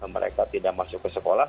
mereka tidak masuk ke sekolah